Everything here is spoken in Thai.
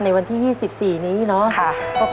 ในวันที่๒๔นี้เนาะ